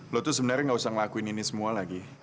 lo tuh sebenarnya gak usah ngelakuin ini semua lagi